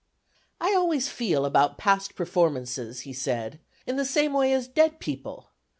"I always feel about past performances," he said, "in the same way as dead people.